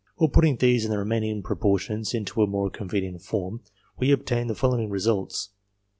Or, putting these and the remaining proportions into a more convenient form, we obtain the following results.